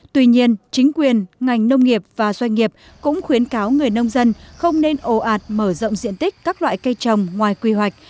tuy nhiên chính quyền ngành nông nghiệp và doanh nghiệp cũng khuyến cáo người nông dân không nên ồ ạt mở rộng diện tích các loại cây trồng ngoài quy hoạch